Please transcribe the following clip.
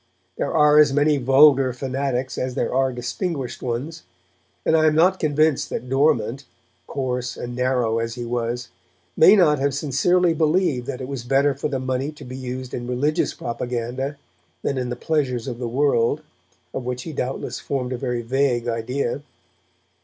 There are as many vulgar fanatics as there are distinguished ones, and I am not convinced that Dormant, coarse and narrow as he was, may not have sincerely believed that it was better for the money to be used in religious propaganda than in the pleasures of the world, of which he doubtless formed a very vague idea.